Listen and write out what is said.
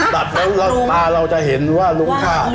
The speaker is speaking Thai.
ตัดแล้วมาเราจะเห็นว่าลุ้มค่า